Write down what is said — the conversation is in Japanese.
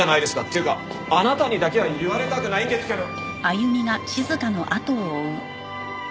っていうかあなたにだけは言われたくないんですけど！